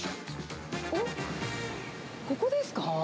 おっ、ここですか？